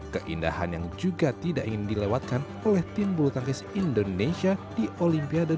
keindahan yang juga tidak ingin dilewatkan oleh tim bulu tangkis indonesia di olimpiade dua ribu enam belas